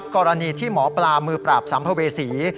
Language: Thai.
กรณีที่หมอปลามือปราบสัมภเวษี